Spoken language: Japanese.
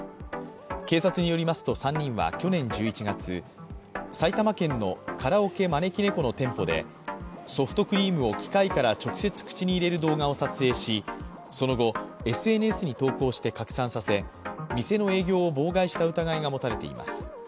警察によりますと３人は去年１１月埼玉県のカラオケまねきねこの店舗でソフトクリームを機械から直接口に入れる動画を撮影しその後ＳＮＳに投稿して拡散させ店の営業を妨害した疑いが持たれています。